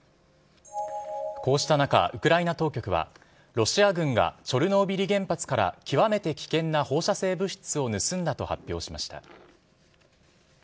こうした中、ウクライナ当局はロシア軍がチョルノービリ原発から極めて危険な放射性物質を盗んだと発表しました。